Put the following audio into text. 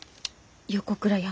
「横倉山」。